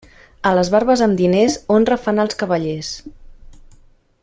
A les barbes amb diners honra fan els cavallers.